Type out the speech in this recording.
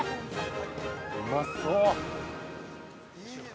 うまそう。